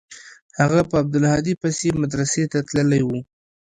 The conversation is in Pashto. هغه په عبدالهادي پسې مدرسې ته تللى و.